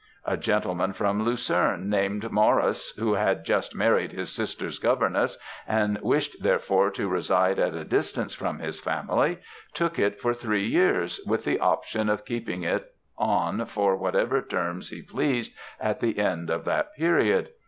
A gentleman from Lucerne, named Maurice, who had just married his sister's governess, and wished therefore to reside at a distance from his family, took it for three years, with the option of keeping it on for whatever term he pleased at the end of that period.